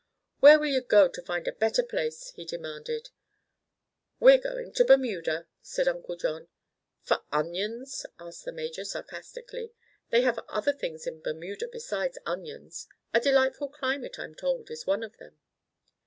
"Where will ye go to find a better place?" he demanded. "We're going to Bermuda," said Uncle John. "For onions?" asked the major sarcastically. "They have other things in Bermuda besides onions. A delightful climate, I'm told, is one of them."